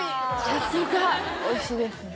さすがおいしいですもんね